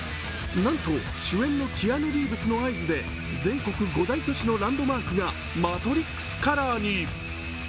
なんと主演のキアヌ・リーブスの合図で全国５大都市のランドマークがマトリックスカラーに。